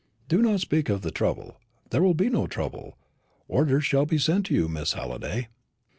"Do not speak of the trouble; there will be no trouble. The orders shall be sent you, Miss Halliday."